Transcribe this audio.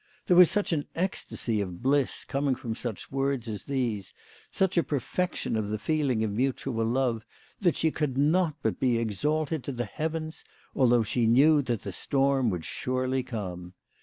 There was such an ecstacy of bliss coming from such words as these, such a perfec tion of the feeling of mutual love, that she could not but be exalted to the heavens, although she knew that the storm would surely come.